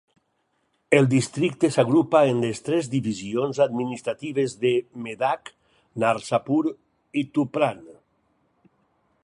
El districte s'agrupa en les tres divisions administratives de Medak, Narsapur i Tupran.